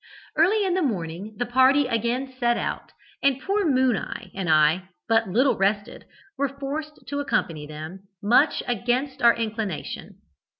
Early in the morning the party again set out, and poor 'Moon eye' and I, but little rested, were forced to accompany them, much against our inclination.